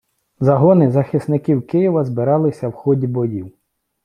Загони захисників Києва збиралися в ході боїв.